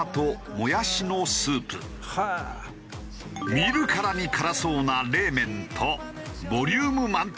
見るからに辛そうな冷麺とボリューム満点！